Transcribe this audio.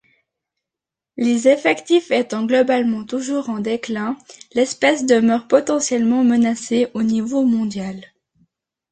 Les effectifs étant globalement toujours en déclin, l'espèce demeure potentiellement menacée au niveau mondial.